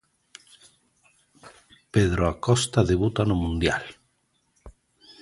Pedro Acosta debuta no mundial.